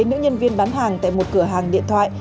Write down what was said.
nữ nhân viên bán hàng tại một cửa hàng điện thoại